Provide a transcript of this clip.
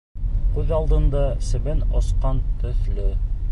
Күҙ алдында себен осҡан төҫлө.